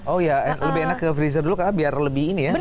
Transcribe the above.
oh ya lebih enak ke freezer dulu karena biar lebih ini ya